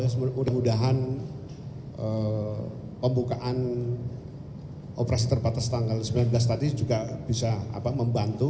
mudah mudahan pembukaan operasi terbatas tanggal sembilan belas tadi juga bisa membantu